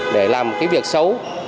để làm cái việc xấu